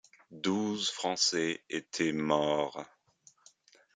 Douze Français étaient morts.